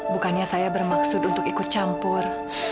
bukannya saya bermaksud untuk ikut campur